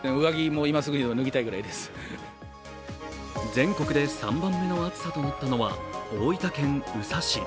全国で３番目の暑さとなったのは大分県宇佐市。